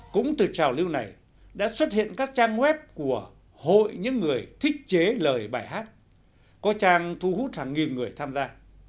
cũng từ trào lưu này đã xuất hiện các trang web của hội những người thích chế lời bài hát có trang thu hút hàng nghìn người tham gia